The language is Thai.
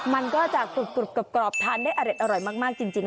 มันก็จะกรุบกรอบทานได้อร่อยมากจริง